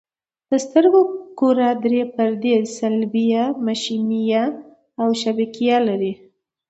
د سترګو کره درې پردې صلبیه، مشیمیه او شبکیه لري.